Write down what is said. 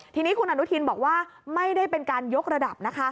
ทีนี้คุณอนุทินบอกว่าไม่ได้เป็นการยกระดับนะคะ